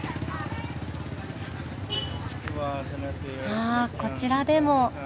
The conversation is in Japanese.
あこちらでも。